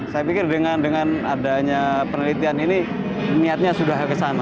saya pikir dengan adanya penelitian ini niatnya sudah kesana